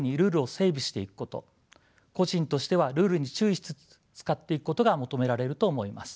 個人としてはルールに注意しつつ使っていくことが求められると思います。